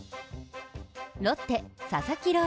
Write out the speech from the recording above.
ロッテ・佐々木朗